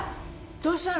どうしたの？